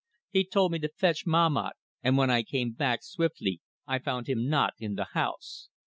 "He told me to fetch Mahmat, and when I came back swiftly I found him not in the house.